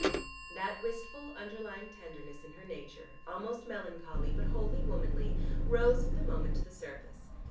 That wistful, underlying tenderness in her nature, almost melancholy but wholly womanly, rose for the moment to the surface.